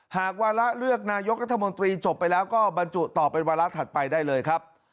หากวาระเลือกนายกรัฐมนตรีจบไปแล้วก็บรรจุต่อเป็นวาระถัดไปได้เลยครับ